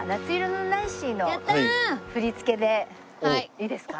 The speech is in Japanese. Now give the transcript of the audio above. いいですか？